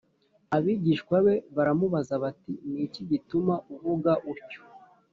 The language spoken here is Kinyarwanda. Abigishwa be baramubaza bati Ni iki gituma uvuga utyo